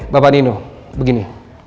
bapak nino begini